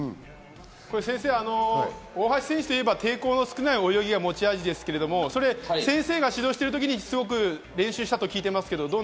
先生、大橋選手といえば抵抗の少ない泳ぎが持ち味ですが、先生が指導している時に練習したと聞いてます。